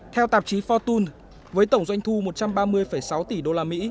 theo tạp chí fortune với tổng doanh thu một trăm ba mươi sáu tỷ usd